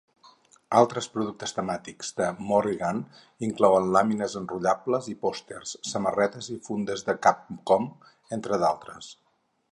Altres productes temàtics de Morrigan inclouen làmines enrotllables i pòsters, samarretes i fundes de Capcom, entre d'altres.